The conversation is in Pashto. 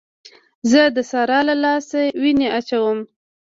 زه د سارا له لاسه وينې اچوم.